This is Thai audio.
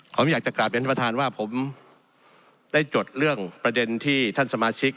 ผมอยากจะกลับเรียนท่านประธานว่าผมได้จดเรื่องประเด็นที่ท่านสมาชิก